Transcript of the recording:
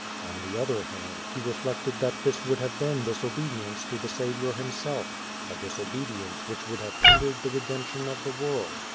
On the other hand, he reflected that this would have been disobedience to the Saviour himself — ^a disobedience which would have hindered the redemption of the world.